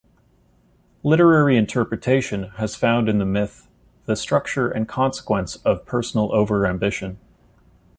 Literary interpretation has found in the myth the structure and consequence of personal over-ambition.